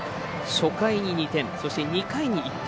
初回に２点そして２回に１点。